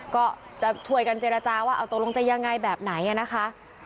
ก็จะช่วยกันเจรจาว่าเอาตกลงจะยังไงแบบไหนนะคะ